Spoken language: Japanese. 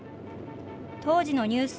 当時のニュース